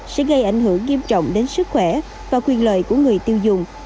sẽ gây ảnh hưởng nghiêm trọng đến sức khỏe và quyền lợi của người tiêu dùng